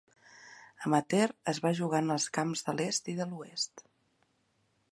Amateur es va jugar en els camps de l'est i de l'oest.